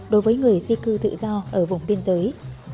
đối với người di cư tự do ở vùng biên giới